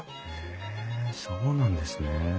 へえそうなんですね。